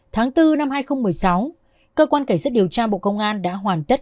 tháng bốn năm hai nghìn một mươi sáu cơ quan cảnh sát điều tra bộ công an đã hoàn tất